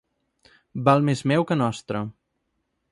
Val més meu que nostre.